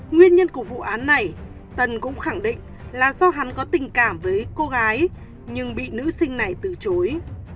nguyên nhân của vụ án này tân cũng khẳng định là do hắn có tình cảm với cô gái nhưng bị nữ sinh này từ chối